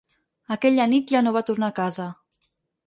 Aquella nit ja no va tornar a casa.